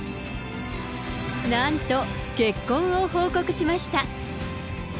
なんと、結婚を報告しました。